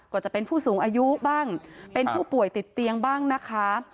ก็จะเป็นผู้สูงอายุบ้างเป็นผู้ป่วยติดเตียงบ้างนะคะ